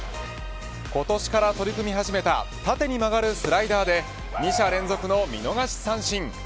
今年から取り組み始めた縦に曲がるスライダーで２者連続の見逃し三振。